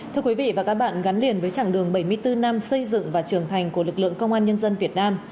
thưa quý vị và các bạn gắn liền với trạng đường bảy mươi bốn năm xây dựng và trưởng thành của lực lượng công an nhân dân việt nam